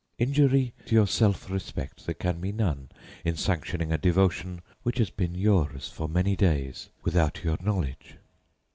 Injury to your self respect there can be none in sanctioning a devotion which has been yours for many days without your knowledge.